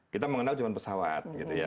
kita mengenal cuma pesawat gitu ya